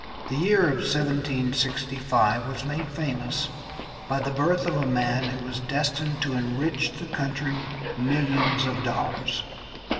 The year of 1765 was made famous by the birth of a man who was destined to enrich his country millions of dollars.